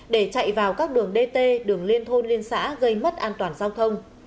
để chạy vào các đường dt đường liên thôn liên xã gây mất an toàn giao thông